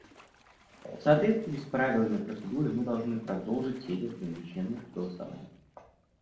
В соответствии с правилами процедуры мы должны продолжить серию ограниченных голосований.